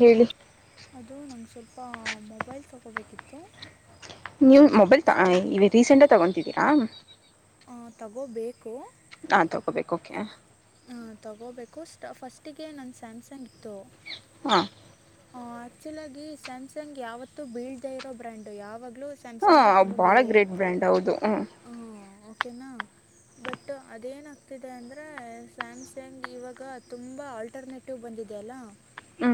ಹೇಳಿ ಅದು ನಂಗೆ ಸ್ವಲ್ಪ ಮೊಬೈಲ್ ತೊಗೋಬೇಕಿತ್ತು ನೀವು ಮೊಬೈಲ್ ರೀಸೆಂಟ ತಗೊತಿದ್ದೀರಾ ತಗೋಬೇಕು ಹಾ ತಗೋಬೇಕ ಓಕೆ ತೊಗೋಬೇಕು ಫಸ್ಟ್ ಸ್ಟಿಗೆ ನನ್ನ ಸ್ಯಾಮ್ಸಂಗ್ ಇತ್ತು ಹಾಂ ಆಕ್ಚುಲ್ ಆಗಿ ಸಾಮಸಾಂಗ್ ಯಾವತ್ತೂ ಬಿಲ್ಡ್ ಇರೋ ಬ್ರ್ಯಾಂಡು ಯಾವಾಗ ಸ್ಯಾಮ್ಸಂಗ್ಗೆ ಹಾಂ ತುಂಬಾ ಭಾಳ ಬೆಲೆ ಗ್ರೇಟ್ ಇರುತ್ತೆ ಬ್ರ್ಯಾಂಡ್ ಹೌದು ಹ್ಞೂ ಓಕೆನಾ ಬಟ್ ಅದೇನಾಗ್ತಿದೆ ಅಂದರೆ ಸ್ಯಾಮ್ಸಂಗ್ ಇವಾಗ ತುಂಬ ಆಲ್ಟರ್ನೇಟಿವ್ ಬಂದಿದೆಯಲ್ಲ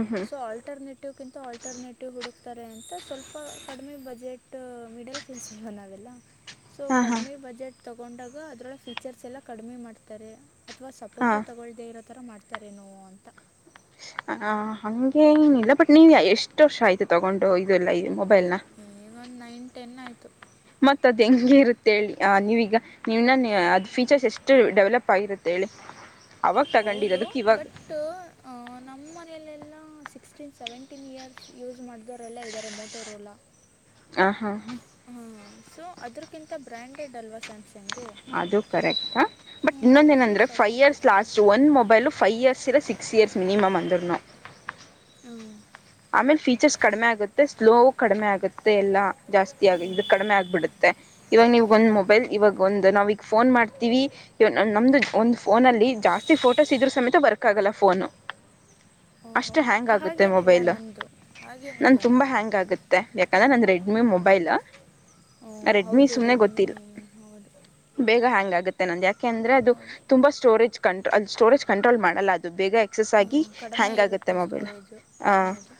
ಹ್ಞೂ ಹ್ಞೂ ಸೊ ಆಲ್ಟರ್ನೇಟಿವ್ ಕಿಂತ ಆಲ್ಟರ್ನೇಟಿವ್ ಹುಡುಕ್ತಾರೆ ಅಂತ ಸ್ವಲ್ಪ ಕಡಿಮೆ ಬಜೆಟ್ ಮಿಡಲ್ ಕ್ಲಾಸ್ ಇವ ನಾವೆಲ್ಲ ಸೊ ಹಾಂ ಕಡಿಮೆ ಬಜೆಟ್ ತಗೊಂಡಾಗ ಅದ್ರೊಳ ಫೀಚರ್ಸ್ ಎಲ್ಲ ಕಡಿಮೆ ಮಾಡ್ತಾರೆ ಅಥವಾ ಪೊಟ್ಟಿ ಹಾಂ ತೊಗೊಳ್ಳ್ದೇ ಇರೋ ಥರ ಮಾಡ್ತಾರೇನೋ ಅಂತ ಹ ಹಗೆ ಏನಿಲ್ಲ ಬಟ್ ನೀವು ಎಷ್ಟು ವರ್ಷ ಆಯ್ತು ತಗೊಂಡು ಇದೆಲ್ಲ ಏ ಒಂದ್ ನೈನ್ ಟೆನ್ ಆಯ್ತು ಮತ್ತೆ ಅದ್ ಹೆಂಗ ಇರುತ್ತೆ ಹೇಳಿ ಆ ನೀವೀಗ ನೀವ್ನ ಅದ್ ಫೀಚರ್ಸ್ ಎಷ್ಟು ಡೆವಲಪ್ ಆಗಿರುತ್ತೆ ಹೇಳಿ ಅವಾಗ ಹೌದು ತಗೊಂಡಿರೋದಕ್ಕೆ ಇವಾಗ ಬಟ್ ಅ ನಮ್ಮ ಮಲ್ಲಲ್ಲ ಸಿಕ್ಸ್ಟೀನ್ ಸೆವೆಂಟೀನ್ ಇಯರ್ಸ್ ಯೂಸ್ ಮಾಡಿದವರೆಲ್ಲ ಇದ್ದಾರೆ ಮೋಟೋರಲ್ಲ ಹಾ ಹಾ ಹಾ ಸೊ ಅದ್ರಕಿಂತ ಬ್ರಾಂಡೆಡ್ ಅಲ್ವಾ ಸ್ಯಾಮ್ಸಂಗ್ ಅದು ಕರೆಕ್ಟ್ ಬಟ್ ಹ್ಞೂ ಇನ್ನೊಂದ ಸೊ ಏನಂದ್ರೆ ಫೈವ್ ಸಪೋರ್ಟ್ ಇಯರ್ಸ್ ತಗೋ ಲಾಸ್ಟ್ ಒಂದ್ ಮೊಬೈಲ್ ಫೈವ್ ಇಯರ್ಸ್ ಇಲ್ಲ ಸಿಕ್ ಸಿಕ್ಸ್ ಇಯರ್ಸ್ ಮಿನಿಮ್ ಬಂದಿೋ ಹ್ಮ ಆಮೇಲೆ ಫೀಚರ್ಸ್ ಕಡಿಮೆ ಆಗುತ್ತೆ ಸ್ಲೋ ಕಡಿಮೆ ಆಗುತ್ತೆ ಎಲ್ಲಾ ಜಾಸ್ತಿ ಆ ಹ್ಞೂ ಇದು ಕಡಿಮೆ ಆಗ್ಬಿಡುತ್ತೆ ಇವಾಗ ನೀವು ಹ್ಞೂ ಒಂದ್ ಮೊಬೈಲ್ ಇವಾಗ ಒಂದು ನಾವ ಈಗ ಫೋನ್ ಮಾಡ್ತೀವಿ ನಮ್ದು ಒಂದು ಫೋನ್ ಅಲ್ಲಿ ಜಾಸ್ತಿ ಫೋಟೋಸ್ ಇದ್ರ ಸಮೇತ ವರ್ಕ್ ಆಗೆ ಕಲ ಫೋನು ಹ್ಮ ಅಷ್ಟು ಹ್ಯಾಂಗ್ ಆಗುತ್ತೆ ಮೊಬೈಲ್ ನನ್ ಹಾಗೇನಿಲ್ಲ ತುಂಬಾ ಹ್ಯಾಂಗ್ ಆಗುತ್ತೆ ಯಾಕಂದ್ರೆ ನನ್ ರೆಡಿ ರೆಡ್ಮಿ ಮೊಬೈಲ್ ಓ ರೆಡ್ಮಿ ಹೌದು ಸುಮ್ಮನೆ ರೆಡ್ಮಿ ಗೊತ್ತಿಲ್ಲ ಹೌದು ಬೇಗ ಹ್ಯಾಂಗ್ ಆಗುತ್ತೆ ನಂದು ಯಾಕೆ ಅಂದ್ರೆ ಅದು ಹೌದು ತುಂಬಾ ಸ್ಟೋರೇಜ್ ಕಂಟ್ರ ಅದು ಸ್ಟೋರೇಜ್ ಕಂಟ್ರೋಲ್ ಮಾಡೋಲ್ಲ ಅದು ಬೇಗ ಎಕ್ಸಸ್ ಹ್ಞೂ ಆಗಿ ಕಡಿಮೆ ಹ್ಯಾಂಗ್ ಆಗುತ್ತೆ ಇರುತ್ತೆ ಮೊಬೈಲ್ ಸ್ಟೋರೇಜು ಹೌದು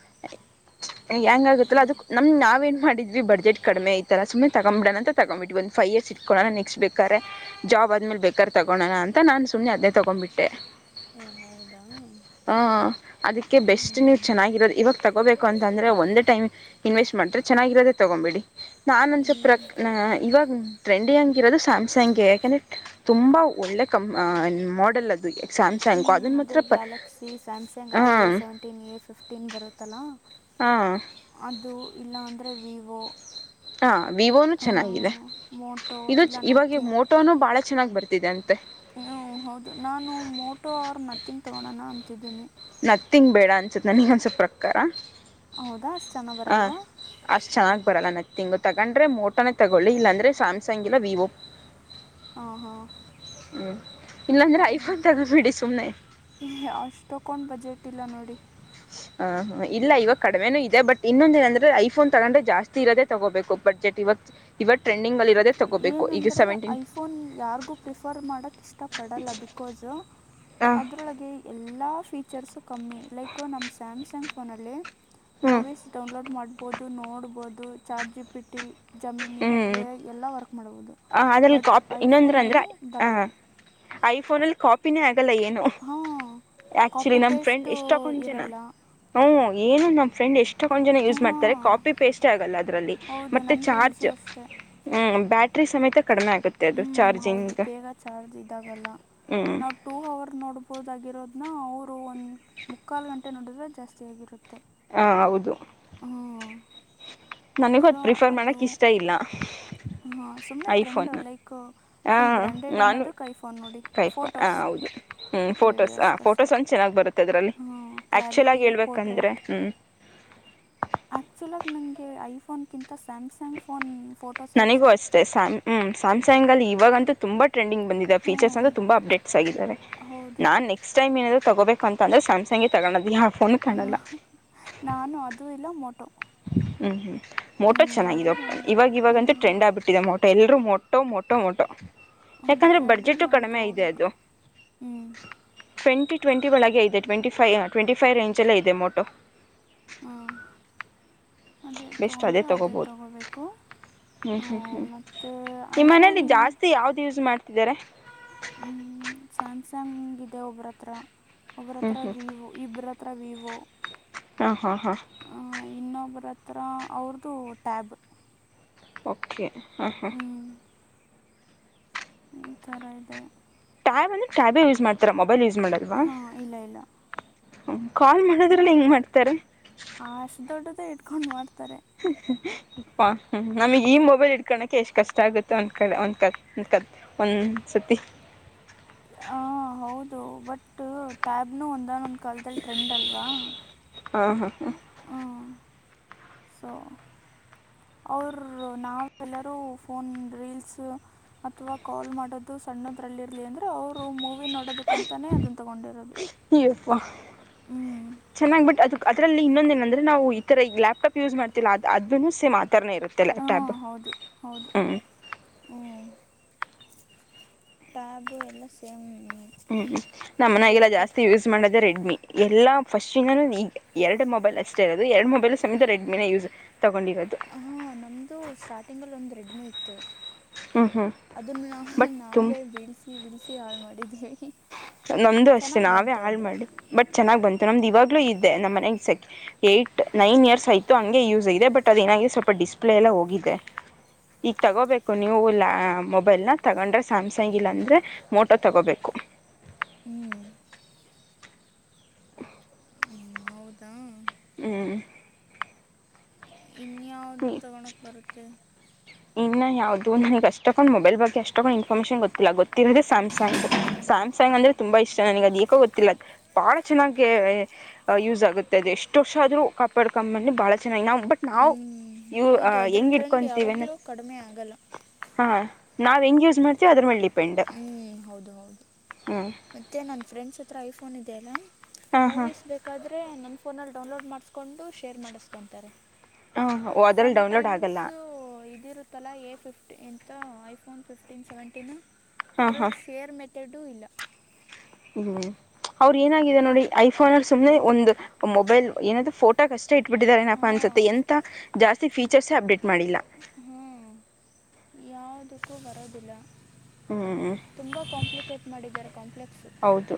ಹೆಂಗ ಆಗುತ್ತಲ್ಲ ಅದ ನಮ್ ನಾವೇನ್ ಮಾಡ ಇದ್ವಿ ಬಜೆಟ್ ಕಡಿಮೆ ಐಲ್ಲ ಸುಮ್ಮ್ ತಗ್ಂಬಡ ಅಂತ ತಗೊಂಬವಿ ಒಂದು ೈವ್ ಇಯರ್ಸ್ ಇಟ್ಕೋಣ ನೆಕ್ಸ್ಟ್ ಬೇಕಾರೆ ಜಾಬ್ ಅದ್ಮೇಲೆ ಬೇಕಾದ ತಗೋಣ ಅ ನಾನು ಸು್ನೆ ಅದೇ ತಗೊಂಡ್ಂಬಿಟ್ಟೆ ಓ ಹೌದಾ ಹ್ಞೂ ಹ ಅದಕ್ಕೆ ಬೆಸ್ಟ್ ನೀವು ಚೆನ್ನಾಗಿರೋದು ಇವ ತಗೋಬೇಕು ಅಂತಂದ್ರೆ ಒಂದ್ ಟೈ್ ಇನ್ವೆಸ್ಟ್ ಮಾಡ್ತೆ ಚೆನ್ನಾಗಿರೋದೇ ತಗೊ್ಂಬಿಡಿ ನಾನೊಂದಸವಲ್ ಪ್ರ ಇವಾಗ ಟ್ರೆಂಡಿ ಹಂಗಿರೋದು ಸ್ಯಾಮ್ಸಂಗಗೆ ಯಾಕೆಂದ್ರರೆ ತುಂಬ ಒಳ್ಳೆ ಕಂ ಮಾಡಲ್ ಅದು ಸ್ಯಾಮ್ಸಂಗು ಹ್ಮ್ ಅದನ್ನು ಅದೇ ಮಾತ್ರ ಪ ಗ್ಯಾಲಕ್ಸಿ ಸ್ಯಾಮ್ಸಂಗ್ ಅದೇ ಎ ಹಾಂ ಸೆವೆಂಟೀನ್ ಎ ಫಿಫ್ಟೀನ್ ಬರುತ್ತಲ್ಲಾ ಹಾಂ ಅದು ಇಲ್ಲ ಅಂದ್ರೆ ವಿವೋ ಹಾ ವಿವೋನು ಚೆನ್ನಾಗಿದೆ ಮೋಟೋ ಇದು ಇಲ್ಲ ಇವಾಗ ಮೋಟೋನು ಬಾಳ ಚೆನ್ನಾಗಾಗಿ ಬರ್ತಿದೆ ಅಂತೆ ಹ ಹೌದು ನಾನು ಮೋಟೋ ಅವರು ಮತ್ತಿಂಗ್ ತಗೋಳೋಣ ಅಂತಿದ್ದೀನಿ ನ ತಿಂಗ್ ಬೇಡ ಅನ್ಸುತ್ತ ನನೊಸ ಪ್ರಕಾರ ಹೌದಾ ಅಷ್ಟು ಚೆನ್ನಾಗಿ ಹ ಬರಲ್ವಾ ಅಷ್ಟು ಚೆನ್ನಾಗಿ ಬರಲ್ಲ ನ ತಿಂಗು ತಗೊಂಡ್ರೆ ಮೋಟೋನೇ ತೊಗೊಳ್ಳಿ ಇಲ್ಲಾಂದ್ರರೆ ಸ್ಯಾಮ್ಸಂಗ ಇಲ್ಲ ವಿವೊ ಹ ಹ ಹ್ಮ್ ಇಲ್ಲಾಂದ್ರೆ ಐಫೋನ್ ತಗೋಬಿಡಿ ಸುಮ್ಮ್ನೆ ಗೇಟ್ಿಲ್ಲ ನೋಡಿ ಹ ಹ ಇಲ್ಲ ಇವಾಗ ಕಡಿಮೆನುೂ ಇದೆ ಬಟ್ ಇನ್ನೊಂದ ಏನಂದ್ರೆ ಐಫೋನ್ ತಗೊಂಡ್ರ ಜಾಸ್ತಿ ಇರೋದ ತಗೋಬೇಕು ಬಡ್ಜೆಟ್ ಇವತ್ತು ಇವ ೆಂಡ ತಗೋಬೇಕು ಏನಂದರೆ ಐಫೋನ್ ಯಾರಿಗೂ ಪ್ರಿಫರ್ ಮಾಡಕ ಇಷ್ಟಪಡಲ್ಲ ಬಿಕೋಸ್ು ಹ ಅದರೊಳಗೆ ಎಲ್ಲ ಫೀಚರ್ಸು ಕಮ್ಮಿ ಲೈಕು ನಮ್ಮ ಸ್ಯಾಮ್ಸಂಗ್ ಫೋನಲ್ಲಿ ಹ್ಮ್ ಮೂವೀಸ್ ಡೌನ್ಲೋಡ್ ಮಾಡ್ಬೋದು ನೋಡ್ಬೋದು chat G P T Gemini ಎ ಎಲ್ಲ ವರ್ಕ್ ಮಾಡ್ಬೋದು ಹ ಅದಲ್ಲಿ ಬಟ್ ಕಾಪಿ ಇನ್ನೊಂದ್ರ ಐಫೋನಲ್ಲಿ ಅಂದ್ರೆ ಆ ಬರಲ್ಲ ಐಫೋನ ಅಲ್ಲಿ ಕಾಪಿ ತಪ್ಪಿನೇ ಆಗಲ್ಲ ಏನು ಹಾಂ ಆಕ್ಚುಲಿ ಕಾಪಿ ನಮ್ ಫ್ರೆಂಡ್ ಪೇಸ್ಟು ಎಷ್ಟಕ್ಕಂ ಜನಾ ಇರಲ್ಲ ಹ ಏನು ನ್ ಫ್ರೆಂಡ್ ಎಷ್ಟಕ್ಕಂದ್ ಜನ ಯೂಸ್ ಮಾಡ್ತಾರೆ ಹಾಂ ಕಾಪಿ ಪೇಸ್ಟ್ ಆಗಲ್ಲ ಅದ್ರಲ್ಲಿ ಹೌದು ಮತ್ತೆ ನನ್ನ ಚಾರ್ ಫ್ರೆಂಡ್ಸು ಅಷ್ಟೇ ಹ್ಮ್ ಬ್ಯಾಟ್ರಿ ಸಮೇತ ಕಡಿಮೆ ಆಗುತ್ತೆ ಅದು ಹ್ಞೂ ಹೌದು ಚಾರ್ಜಿಂಗ್ ಬೇಗ ಚಾರ್ಜ್ ಇದಾಗಲ್ಲ ಹ್ಮ್ ನಾವು ಟೂ ಅವರ್ ನೋಡಬಹದಾಗಿರೋದನ ಅವರು ಒಂದು ಮುಕ್ಕಾಲು ಗಂಟೆ ನೋಡಿದ್ರೆ ಜಾಸ್ತಿಯಾಗಿರುತ್ತೆ ಹಾ ಹೌದು ನನಗೂ ಅದ ಸೊ ಪ್ರಿಫರ್ ಅದು ಮಾಡಕ್ ಇಷ್ಟ ಇಲ್ಲ ಹಾಂ ಸುಮ್ಮನೆ ಐಫೋನ್ ಟ್ರೆಂಡು ಲೈಕ್ ಹಾ ಫುಲ್ ಬ್ರ್ಯಾಂಡೆಡ್ ನಾನು ಅನ್ನೋದಕ್ಕೆೈ ಫೋನ್ ನೋಡಿ ಕೈಫೋನ್ ಹಾ ಫೋಟೋಸ್ ಹೌದು ಹ್ಮ್ ಫೋಟೋಸ್ ವೀಡಿಯೋಸ್ ಹ ಕಷ್ಟು ಫೋಟೋಸ್ ಒಂದ್ ಚೆನ್ನಾಗ್ ಬರುತ್ತೆ ಅದರಲ್ಲಿ ಆಕ್ಚುಲ್ ಕ್ಲಾರಿಟಿ ಆಗಿ ಹೇಳ್ಬೇಕಂದ್ರೆ ಪೋರ್ಟ್ರೇಟ್ ಹ್ಮ್ ಆ್ಯಕ್ಚುಲಾಗಿ ನನಗೆ ಐಫೋನ್ಗಿಂತ ಸ್ಯಾಮ್ಸಂಗ್ ಫೋನ್ ಫೋಟೋಸೇ ನನಗೂ ಇಷ್ಟ ಅಷ್ಟೆ ಸಾಮ್ ಹ್ಮ ಸಾಮ್ಸಾಯಂಗ್ ಅಲ್ಲಿ ಇವಾಗಂತೂ ತುಂಬಾ ಟ್ರೆಂಡಂಗ್ ಬಂದ ಹ್ಞೂ ಫೀಚರ್ಸ್ಂದ್ರ ತುಂಬಾ ಅಪ್ಡೇಟ್ಸ್ ಆಗಿದ್ದಾರೆ ಹೌದು ನಕ್ಸ್ ಟೈಮ ಏನ್ರೆ ತಗೋಬೇಕ ಅಂತಂದ್ರೆ ಸ್ಯ್ಸಂಗ ತಗೋದ ಹ ನಾನು ಅದು ಇಲ್ಲ ಮೊ ಹ್ಮ್ ಹ್ಮ್ ಮೋಟೋ ಚೆನ್ನಾಗಿದೆ ಎರಡರಲ್ಲಿ ಇವಾಗ ಇವಾಗಂತೂ ಒಂದು ಹ್ಞೂ ಟ್ರೆಂಡ್ ಆಗ್ಬಿಟ್ಟಿದೆ ಮೋಟೋ ಎಲ್ಲರೂ ಮೋಟ ಮೊಟ್ಟೋ ಮೊಟೋ ಮೊಟೋ ಅದೇ ಯಾಕಂದ್ರೆ ಬಜೆಟ್ಟು ಎರಡರಲ್ಲಿ ಒಂದು ಕಡಿಮೆ ಇದೆ ತೊಗೋಬೇಕು ಅದು ಹ್ಞೂ ಟ್ವೆಂಟಿ ಒಳಗೆ ಇದೆ ಟ್ವೆಂಟಿ ಫೈ ಟ್ವೆಂಟಿ ಫೈವ ರೇಂಜಲ್ಲೆ ಇದೆ ಮೋಟೋ ಹ್ಮ್ ಅದೇ ತಗೊಂಡ್ರೆ ಅದೇ ತಗೋಬೇಕು ಹ್ಮ್ ಹ್ಮ್ ಹ್ಮ್ ನಿಮ್ಮ ಮನೇಲಿ ಐಫೋನ್ ಜಾಸ್ತಿ ಯಾವ್ದ್ ಯೂಸ್ ಮಾಡ್ತಿದ್ದಾರೆ ಹ್ಮ್ ಸ್ಯಾಮ್ಸಂಗ್ ಇದೆ ಒಬ್ರ ಹತ್ರ ಒಬ್ರ ಹ್ಞೂ ಹತ್ರ ಹ್ಞೂ ವಿವೊ ಇಬರತ್ರ ತ್ರ ವಿವೋ ಹಾ ಹಾ ಹಾ ಒಬ್ರತ್ರ ಅವ್ರುದು ಟ್ಯಾಬ್ ಓಕೆ ಹಾ ಹಾ ಹ್ಞೂ ಈ ತರ ಇದೆ ಟ್ಯಾಬ್ ಅಂದ್ರೆ ಟ್ಯಾಬೆ ಯೂಸ್ ಮಾಡ್ತಾರ ಮೊಬೈಲ್ ಯೂಸ್ ಮಾಡಲ್ವಾ ಹಾಂ ಇಲ್ಲ ಇಲ್ಲ ಕಾಲ್ ಮಾಡೋದ್ರಲ್ಲಿ ಹೆಂಗೆ ಮಾಡ್ತಾರೆ ಕಾಲ್‌ ಮಾಡ್ತಾರೆ ಹ್ಮ ಅಪ್ಪ ನಮಿಗೆ ಈ ಮೊಬೈಲ್ ಇಡ್ಕೋಳಕೆ ಎಷ್ಟ್ ಕಷ್ಟ ಆಗುತ್ತೆ ಒಂದ್ ಕ ಒಂದ್ ಕ ಒಂದ್ ಸತಿ ಆ ಹೌದು ಬಟ್ ಟ್ಯಾಬ್ನು ಒಂದಾನ್ ಒಂದು ಕಾಲದಲ್ಲಿ ಟ್ರೆಂಡ್ ಅಲ್ವಾ ಹಾ ಹಾ ಹಾ ಹ್ಞೂ ಸೊ ಅವರು ನಾವೆಲ್ಲರೂ ಫೋನ್ ರೀಲ್ಸ್ ಅಥವಾ ಕಾಲ್ ಮಾಡೋದು ಸಣ್ಣ ಅನ್ನೋದರಲ್ಲಿರಲಿ ಅಂದರೆ ಅವರು ಮೂವಿ ನೋಡೋದಕ್ಕಂತಾನೇ ಅದನ್ನು ತಗೊಂಡಿರೋದು. ವಾಹ ಚೆನ್ನಾಗಿ ಬಟ್ ಅದಕ್ಕೆ ಅದಲ್ಲಿ ಇನ್ನೊಂದೇಏಂದ್ರ ನಾವು ಈ ತರ ಈ ಲಪ್ಟಟಪ್ ಯೂಸ್ ಮಾಡ್ತಿಲ್ಲ ಅದೂ ಸೇತ ಇರುತ್ತೆ ಹಾಂ ಟಾಪ್ ಹೌದು ಹೌದು ಹ್ಮ ಟ್ಯಾಬ ಎಲ್ಲ ಸೇಮ್ ಹ್ಮ್ ನಮ್ಮಗೆಲ್ಲ ಲ್ಯಾಪ್ಟಾಪ್ ಜಾಸ್ತಿ ಥರ ಯೂಸ್ ಮಾಡದ ರೆಡ್ಮಿ ಎಲ್ಲಾ ಫಸ್ಟನು ಈ ಎರಡು ಮೊಬೈಲ್ ಅಷ್ಟೇ ಇರೋದು ಎರಡು ಮೊಬೈಲ್ ಸಮೇತ ರೆಡ್ಮಿನ ಯೂಸ್ ತೊಗೊಂಡಿರೋದು ಹಹ ನಮ್ದು ಸ್ಟಾರ್ಟಿಂಗ್ ಅಲ್ಲಿ ಒಂದು ರೆಡ್ಮಿ ಇತ್ತು ಹ್ಞೂ ಹ್ಞೂ ಅದನ್ನು ನಾವ ಬಟ್ ತುಂಬ ನಾವೇ ಬೀಳ್ಸಿ ಬಿಳ್ಸಿ ಹಾಳ್ ಮಾಡಿದ್ದೇವಿ ನಮ್ದು ಅಷ್ಟೇ ನಾವೇ ಹಾಳ್ ಮಾಡಿ ಬಟ್ ಚೆನ್ನಾಗ್ ಬಂತು ನಮ್ದು ಇವಾಗ ಇದೆ ನಮ್ಮ್ ಮನೆಗೆೆ ಏಟ್ ನೈನ್ ಇಯರ್ಸ್ ಆಯತು ಹಂಗೆ ಯೂಸ್ ಇದೆ ಬಟ್ ಅದ ಏನಾಗಿದೆ ಸ್ವಲ್ಪ ಡಿಸ್ಪ್ ಎಲ್ಲ ಹೋಗಿದೆ ಈಗ ತಗೋಬೇಕು ನೀವು ಇಲ್ಲ ಮೊಬೈಲ್ ನ ತಗೊಂಡ್ರೆ ಸ್ಯಾಮ್ಸಂಗ್ ಇಲ್ಲಾಂದ್ರೆ ಮೋಟೋ ತಗೋಬೇಕು ಹ್ಮ್ [unintelligible] ಹ್ಞ ಹೌದಾ ಹ್ಮ್ ಇನ್ಯಾವುದ ತೊಗೊಳಕ್ ಬರುತ್ತೆ ಇನ್ನ ಯಾವ್ದದು ನನಗ್ ಅಷ್ಟಡ್ ಮೊಬೈಲ್ ಬಗ್ಗೆ ಅಷ್ಟೊಕೊಂಡ್ ಇನ್ಫಾರ್ಮೇಶನ್ ಗೊತ್ತಿಲ್ಲ ಗೊತ್ತಿರೋದೆ ಸ್ಯಾಮಸಂಗ್ ಸ್ಯಾಮ್ಸಂಗ್ ಅಂದ್ರೆ ತುಂಬಾ ಇಷ್ಟ ನಗೆ ಅದು ಏಕೋ ಗೊತ್ತಿಲ್ಲ ಬಾಳ ಚೆನ್ನಾಗಿ ಯೂಸ್ ಆಗುತ್ತೆ ಅದೆ ಇಷ್ಟು ವರ್ಷ ಆದ್ರೂ ಕಪ ಇಡ್ಕಂಬನ್ನಿ ಬಾಳ ಚೆನ್ನಾಗಿ ನಾವು ಬಟ್ ನಾವು ಹ್ಮ್, ಇವು ಹೌದು ಅದ್ರ ಹೆಂಗ್ ಟ್ರೆಂಡ್ ಇಟ್ಕೊಂತೀವ ಯಾವಾಗಲೂ ಕಡಿಮೆ ಆಗಲು ನಾವ್ ಹೆಂಗ ಯೂಸ್ ಮಾಡ್ತೀವಿ ಅದ್ರ ಮಿಲಿ ಹ್ಮ್ ಹೌದು ಹೌದು ಮತ್ತೆ ನನ್ ಫ್ರೆಂಡ್ಸ್ ಹತ್ರ ಐಫೋನ್ ಇದೆಯಲ್ಲಾ ಹಾಂ ಹಾಂ ಮೂವೀಸ್ ಬೇಕಾದ್ರೆ ನನ್ನ ಫೋನಲ್ಲಿ ಡೌನ್ಲೋಡ್ ಮಾಡಿಸ್ಕೊಂಡು ಶೇರ್ ಮಾಡಿಸ್ಕೊತಾರೆ ಹಾ ಹೋದ್ರಲ್ಲಿ ಡೌನ್ಲೋಡ್ ಆಗಲ್ಲ ಇರುತ್ತಲ್ಲಾ ಎ ಫಿಫ್ಟಿಂತ ಐಫೋನ್ ಫಿಫ್ಟೀನ್ ಸೆವೆಂಟೀನ್ ಹಾಂ ಹಾಂ ಅದ್ರೊಳಗೆ ಶೇರ್ ಮೆ ಎಡ ಇಲ್ಲ ಹ್ಮ್ ಅವ್ರ ಏನಾಗಿದೆ ನೋಡಿ ಐಫೋನ್ ಅಲ್ಲಿ ಸುಮನೆ ಒಂದು ಮೊಬೈಲ್ ಏನಾದ್ೂ ಫೋಟೋಕ್ಷ್ಟ ಇಟ್ಬಿಟ್ಟಿದ್ದಾರೆಫ ಹಾಂ ಅನ್ಸುತ್ತೆ ಎಂತ ಅಷ್ಟೇ ಜಾಸ್ತಿ ಫೀಚರ್ಸೇ ಅಪ್ಡೇಟ್ ಮಾಡಿಲ್ಲ ಹಾಂ ಯಾವುದಕ್ಕೂ ಬರೋದಿಲ್ಲ ಹ್ಮ್ ತುಂಬಾ ಕಾಂಪ್ಲಿಕೇಟ್ ಮಾಡಿದ್ದಾರೆ ಕಾಂಪ್ಲೆಕ್ಸು ಹೌದು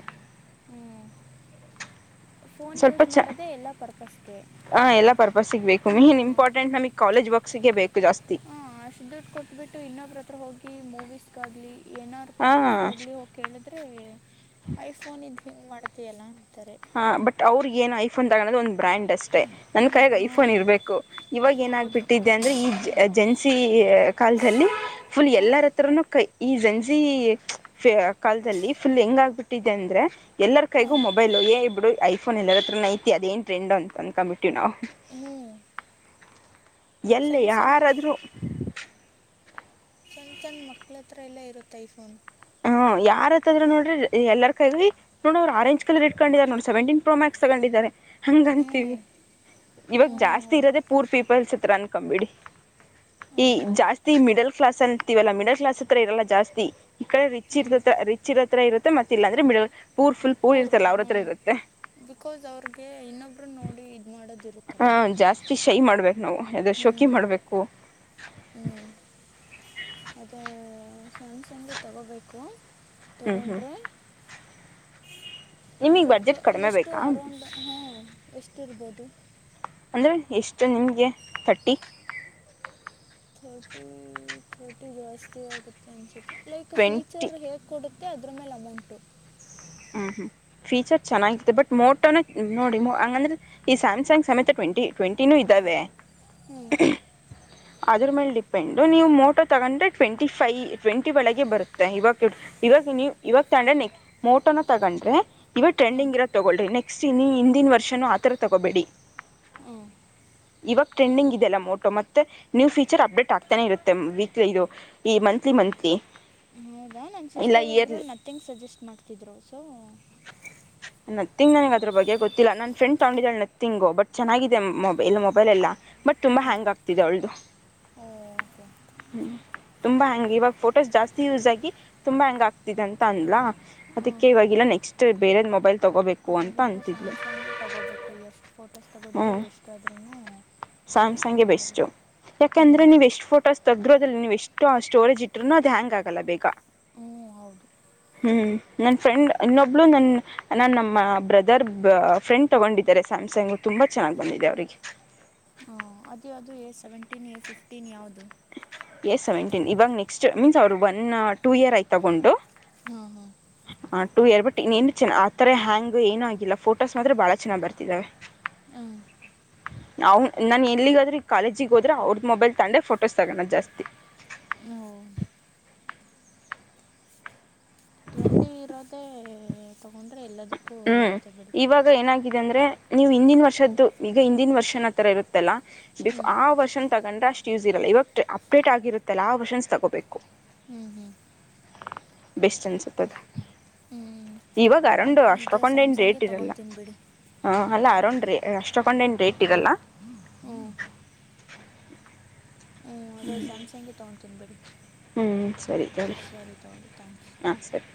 ಫೋನ್ ಯೂಸ್ ಮಾಡೋದೇ ಎಲ್ಲಾ ಪರ್ಪಸ್ಗೆ ಹ ಎಲ್ಲ ಪರ್ಪಸ್ಿಗೆ ಬೇಕು ಹಾಂ, ಮೇನ್ ಇಂಪಾರ್ಟೆಂಟ್ ನಮಗ್ ಕಾಲಜ ವರ್ಕ್ಸ್ಗ ಬೇಕು ಜಾಸ್ತಿ ಹ ಅಷ್ಟ ದುಡ್ಡು ಕೊಟ್ಬಿಟ್ಟು ಇನ್ನೊಬ್ರ ಹತ್ರ ಹೋಗಿ ಮೂವೀಸ್ಗ ಆಗ್ಲಿ ಏನಾದಾರ್ರು ಹಾ ಪರ್ಪಕ್ಟ್ ಆಗ್ಲಿ ಹೋಗೇಳಿದ್ರೆ ಐಫೋನ್ ಇದ ಹಿಂಗ್ ಮಾಡ್ತಯಲ್ಲ ಹಾ ಬಟ್ ಅವ್ರಗ ಏನ್ ಐಫ್ ಅಂತ ತಗೋದು ಒಂದು ಬ್ರ್ಯಾಂಡ್ ಅಷ್ಟೇ ನನ್ ಕೈಾಗ ಹ್ಞೂ ಐಫೋನ್ ಇರ್ಬೇಕು ಇವಾಗ ಏನ ಹೌದು ಆಾಗಬಿಟ್ಟಿದ್ದೆ ಅಂದ್ರೆ ಈ ಜೆನ್ಸಿ ಕಾಲದಲ್ಲಿ ಫುಲ್ ಹಾಂ ಎಲ್ಲರ ಹತ್ರನು ಕೈ ಈ ಜಂಜಿ ಕಾಲದಲ್ಲಿ ಫುಲ್ ಹೆಂಗ ಆಗ್ಬಿಟ್ಟಿದೆ ಅಂದ್ರೆ ಎಲ್ಲರ ಹ್ಞೂ ಕೈಗೂ ಮೊಬೈಲ್ ಬಿಡು ಐಫೋನ್ ಎಲ್ಲರ ಹತ್ರ ಐತಿ ಅದೇ ್ರೆಂಡ್ ಅಂತ ಕಂಪರ್ ನ ಹ್ಞೂ ಎಲ್ಲ ಸಣ್ಣ ಸಣ್ಣ ಯಾರಾದ್ರೂ ಚಂದ್ ಚಂದ್ ಮಕ್ಳ ಹತ್ರ ಎಲ್ಲಾ ಇರುತ್ತ ಫೋನ್ ಹ್ಮ ಯಾರತ್ದ್ರ ನೋಡ್ರ ಎಲ್ಲರ ಕೈಗಿ ನೋಡ ಅವ್ರು ಆರೆಂಜ್ ಕಲರ್ ಇಟ್ಕೊಂಡ ನೋ ಸೆವೆಂಟೀನ್ ಪ್ರೋ ಮ್ಯಾಕ್ಸ್ ತಗೊಂಡಿದ್ದಾರೆ ಹ್ಞೂ ಹಂಗಂತೀವಿ ಇವಾಗ ಹ್ಞೂ ಜಾಸ್ತಿ ಹೌದು ಇರೋದೆೇ ಪೂರ್ ಪೀಪಲ್ ಚಿತ್ರ ಅನ್ಕೊಂಬಿಡಿ ಈ ಹ್ಞೂ ಜಾಸ್ತಿ ಮಿಡಲ್ ಕ್ಲಾಸ್ ಅನ್ತೀವಲ್ಲ ಮಿಡಲ್ ಕ್ಲಾಸ್ ಹತ್ರ ಇರಲ್ಲ ಜಾಸ್ತಿ ಈ ಕಡೆ ರಿಚ್ ಹ್ಞೂ ಇರ್ತ್ರ ರಿಚ್ ಇರ ಹತ್ರ ಇರುತ್ತೆತ್ತ ಇಲ್ಲ ಅಂದ್ರೆ ಮಿಡಲ್ ಪೂರ್ ಫುಲ್ ಪೂರ್ ಇರ್ತಲ್ಲ ಅವ್ರ ಹತ್ರ ಇರುತ್ತೆ ಬಿಕಾಸ್ ಅವ್ರಿಗೆ ಇನ್ನೊಬ್ರು ನೋಡಿ ಇದು ಮಾಡೋದಿರುತ್ತಲ್ಲ ನಾ ಎ ಹ್ಞೂ ಶೋಕಿ ಮಾಡ್ಬೇಕು ಹ್ಞೂ ಸ್ಯಾಮ್ಸಂಗಗೆ ತೊಗೋಬೇಕು ಹ್ಞೂ ಹ್ಞೂ ತಗೊಂಡ್ರೆ ನಿಮಗೆ ಬಟ್ ಬಡ್ಜೆಟ್ ಕಡಿಮೆ ಎಷ್ಟು ಬೇಕಾ ಅರೌಂಡ್ ಹಾ ಎಷ್ಟಿರ್ಬೋದು ಅಂದರೆ ಎಷ್ಟು ನಿಮಗೆ ಿ ರ್ಟಿ ರ್ಟಿ ಜಾಸ್ತಿ ಆಗುತ್ತೆ ಅನ್ಸುತ್ತೆ ಲೈಕ್ ಟ್ವೆಂಟಿ ಫೀಚರ್ ಹೇಗ್ ಕೊಡುತ್ತ ಮ ಅದ್ರ ಮೇಲೆ ಅಮೌಂಟು ಹ್ಮ್ ಹ್ಮ್ ಫೀಚರ್ ಚೆನ್ನಾಗಿತೆ ಬಟ್ ಮೋಟೋನ ನೋಡಿ ಹಂಗಂದ್ರೆ ಈ ಸ್ಯಾಮ್ಸಂಗ್ ಸಮೇತಟ್ ಟ್ಂಟಿ ಟ್ವೆಂಟಿನು ಇದ್ದಾವೆ ಹ್ಮ್ ಅದ್ರ ಮೇಲೆ ಡಿಪೆಂಡ್ ನೀವು ಮೋಟೋ ತಗೊಂಡ್ರೆ ಟ್ವೆಂಟಿ ಫೈ ಟ್ವೆಂಟಿ ಒಳಗೆ ಬರುತ್ತೆ ಇವಾಗ ಇವಾಗ ನೀವು ಇವಾಗ ತಗ್ರೆಸ್ಟ್ ಮೋಟೋನ ತಗೊಂಡ್ರೆ ಹಾಂ ಇವಾಗ ್ರೆಂಡಿಂಗ್ ಇರೋ ತಗೋಳ್ರ ನೆಸ್ಟ್ ಎಕ್ಸ್ಟಿನಿ ಹಿಂದಿನ ವರ್ಷನೂ ಆ ಥರ ತೊಗೊಬೇಡಿ ಹ್ಮ್ ಇವಾಗ ಟ್ರೆಂಡಿಂಗ್ ಇದೆಲ್ಲ ಮೋಟೋ ಮತ್ತೆ ನ್ೂ ಫೀಚರ್ ಅಪ್ಡೇಟ್ ಆಗ್ತಾನೆ ಇರುತ್ತೆ ವಿ ಇದು ಈ ಮತ್ ಮತ್ಲಿ ಮಂತ್ಿ ಹೌದಾ ನನ್ನ ಸಿಸ್ಟರ್ ಒಬ್ರು ನತಿಿಂಗ್ ಸಜೆಸ್ಟ್ ಮಾಡ್ತಿದ್ರು ಸೊ ನತ್ತಿಂಗ್ ನನಗ್ ಅದ್ರ ಬಗ್ಗೆ ಗೊತ್ತಿಲ್ಲ ನಾನನ್ ಫ್ರೆಂಡ್ ತಗೊಂಡಿದಳ ನತ್ತಿಂಗೋ ಬಟ್ ಚೆನ್ನಾಗಿದೆ ಮೊ ಇಲ್ಲ ಮೊಬೈಲ್ ಎಲ್ಲ ಬಟ್ ತುಂಬಾ ಹ್ಯಾಂಗ್ ಆಗ್ತಿದೆ ಅವಳು ಹ್ಮ ಹ್ಮ್ ತುಂಬಾ ಹ್ಯಾಂಗಗೆ ಇವಾಗ ಫೋಟೋಸ್ ಜಾಸ್ತಿ ಯೂಸ್ ಆಗಿ ತುಂಬಾ ಹೆ್ಯಾಂಗ್ ಆಗ್ತಿದೆ ಅಂತ ಅಂದಲಾ ಅದಕ್ಕೆ ಹ್ಞೂ ಇವಾಗಿಲ್ಲ ನೆಕ್ಸ್ಟ್ ಬೇರೆದ್ ಮೊಬೈಲ್ ತಗೋಬೇಕು ಅಂತ ಅಂತಿದ್ಲು ಂಡ ತಗೋಬೇಕು ಎಷ್ಟ್ ಫೋಟೋಸ್ ತಗೋದ್ರು ಎಷ್ಟಾದ್ರುನು ಸ್ಯಾಮ್ಸಂಗಗೆ ಬೆಸ್ಟ್ು ಯಾಕಂದ್ರೆ ನೀವು ಎಷ್ಟ್ ಫೋಟೋಸ್ ತಗ್ರ ನೀವು ಎಷ್ಟ ಸ್ಟೋರೇಜ್ ಇಟ್ಟ್ೂನು ಅದು ಹ್ಯಾಂಗ್ ಆಗಲ್ಲ ಬೇಗ ಹ್ಮ ಹೌದು ಹ್ಮ್ ನನ್ ಫ್ರೆಂಡ್ ಇನ್ನೊಬ್ಳ ನನ್ ನಾನ್ ನಮ್ಮ ಬ್ರದರ್ ಫ್ರೆಂಡ್ ತಗೊಂಡಿದ್ದಾರೆ ಸ ಮ್ಯಾಮ್ಸಂಗ್ ತುಂಬಾ ಚೆನ್ನಾಗ್ ಬಂದಿದೆ ಅವರಿಗೆ ಹ ಅದ ಯ ಅದು ಎ ಸೆವೆಂಟೀನ್ ಎ ಫಿಫ್ಟೀನ್ ಯಾವ್ದದು ಎಸ್ ಸೆವೆಂಟೀನ್ ಇವಾಗ ನೆಕ್ಸ್ಟ್ ಮೀನ್ಸ್ ಅವರು ಒನ್ ಟು ಇಯರ್ ಆಯ್ತ ತಗೊಂಡು ಹಾಂ ಹ ಎರ್ಪಟ್ಟ [unintelligible] ನು ಚ ಆ ಥರ ಹ್ಯಾಂಗ್ ಏನುೂ ಆಗಿಲ್ಲ ಫೋಟೋಸ್ ಮಾತ್ರ ಬಹಳ ಚೆನ್ನ್ ಬರ್ತಿದಾವೆ [unintelligible] ಹ ಅವನ್ ನಾನ ಎಲ್ಲಿಗಾದ್ರೆ ಕಾಲೇಜಿಿಗೆ ಹೋದ್ರೆ ಅವ್ರದ ಮೊಬೈಲ್ ತಂಡೆ ಫೋಟೋಸ್ ತಗೋಣ ಜಾಸ್ತಿ. ಹ ಟ್ರೆಂಡಿ ಇರೋದೆೇ ತಗೊಂಡ ಹ್ಮ್ ಇವಾಗ ಏನ ಅಂದ್ರೆ ನೀವು ಹಿಂದಿನ ವರ್ಷದ್ದು ಈಗ ಹಿಂದಿನ ವರ್ಷನ ತರ ಇರುತ್ತಲ್ಲಾ ಫ್ ಹ್ಞೂ ಆ ವರ್ಷನ್ ತಗೊಂಡ್ರೆ ಅಷ್ಟು ಯೂಸ್ ಇರಲ್ಲ ಇವಾಗ ಅಪ್ಡೇಟ್ ಆಗಿರುತ್ತಲ್ಲ ಆ ವರ್ಷನ್ಸ್ ತಗೋಬೇಕು ಹ್ಮ್ ಹ್ಮ್ ಬೆಸ್ಟ್ ಅನ್ಸತದ ಹ್ಞೂ ಇವಾಗ ಅರಂಡು ಮತ್ತು ಅಷ್ಟ ಇದೇ ತೊಕೊಂಡ್ ಏನ್ ಸ್ಯಾಮ್ಸಂಗೇ ರೇಟ್ ಇರಲ್ಲ ತೊಗೊತೀನಿ ಬಿಡಿ ಹ ಅಲ್ಲ ಅರೌಂಡ್ ರೇ ಅಷ್ಟ ತೊಕೊಂಡ ಏನ್ ರೇಟ್ ಇರಲ್ಲ ಹ್ಮ ಹ್ಮ್ ಅದೇ ಸ್ಯಾಮ್ಸಂಗಗೆ ತಗತೀನಿ ಬಡಿ ಹ್ಮ್ ಸರಿ ಸರಿ ಥ್ಯಾಂಕ್ಸ್ ಹಾ ಸರಿ